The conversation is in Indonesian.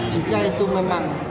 jika itu memang